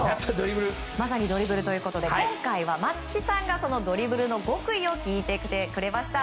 まさにドリブルということで今回は松木さんがそのドリブルの極意を聞いてきてくれました。